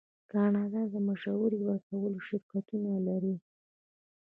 کاناډا د مشورې ورکولو شرکتونه لري.